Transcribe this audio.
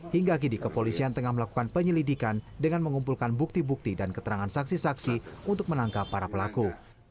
hingga kini kepolisian tengah melakukan penyelidikan dengan mengumpulkan bukti bukti dan keterangan saksi saksi untuk menangkap para pelaku